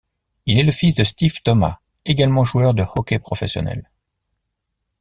Il est le fils de Steve Thomas, également joueur de hockey professionnel.